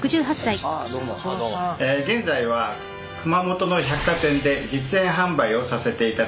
現在は熊本の百貨店で実演販売をさせていただいています。